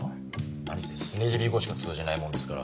何せスネジビ語しか通じないもんですから。